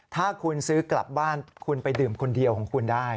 ถ้าคุณซื้อกลับบ้านคุณไปดื่มคนเดียวของคุณได้